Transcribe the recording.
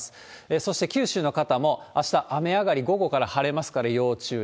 そして九州の方も、あした、雨上がり、午後から晴れますから要注意。